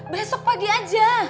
besok pagi aja